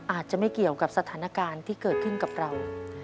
อาจจะไม่เกี่ยวกับสถานการณ์ที่เกิดขึ้นกับเรา